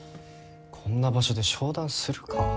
こんな場所で商談するか？